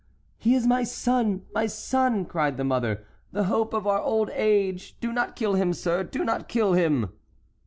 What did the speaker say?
"He is my son, my son!" cried the mother; "the hope of our old age! Do not kill him, sir,—do not kill him!"